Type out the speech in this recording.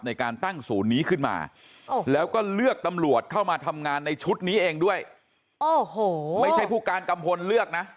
ในการตั้งศูนย์นี้ขึ้นมาแล้วก็เลือกตำรวจเข้ามาทำงานในชุดนี้เองด้วยโอ้โหไม่ใช่ผู้การกัมพลเลือกนะ